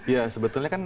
ya sebetulnya kan